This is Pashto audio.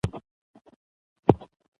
بلکې د انسانیت، اخلاص او صداقت، سبق راکړی.